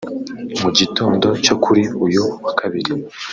mu gitondo cyo kuri uyu wa kabiri